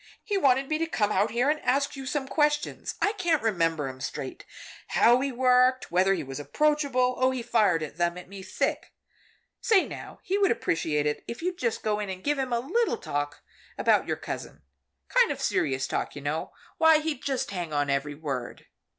He wanted me to come out here and ask you some questions I can't remember 'em straight. How he worked whether he was approachable. Oh, he fired them at me thick. Say now, he would appreciate it, if you'd just go in and give him a little talk about your cousin. Kind of serious talk, you know. Why, he'd just hang on every word."